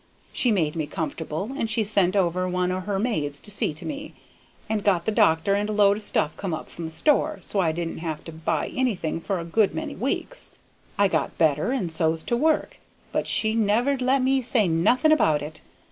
She made me comfortable, and she sent over one o' her maids to see to me, and got the doctor, and a load o' stuff come up from the store, so I didn't have to buy anything for a good many weeks. I got better and so's to work, but she never'd let me say nothing about it.